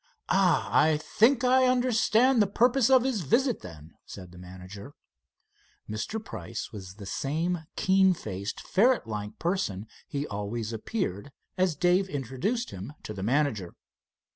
"Ah, I think I understand the purpose of his visit, then," said the manager. Mr. Price was the same keen faced, ferret like person he always appeared, as Dave introduced him to the manager.